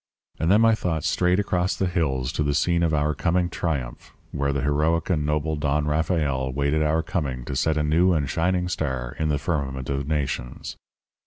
And then my thoughts strayed across the hills to the scene of our coming triumph where the heroic and noble Don Rafael awaited our coming to set a new and shining star in the firmament of nations.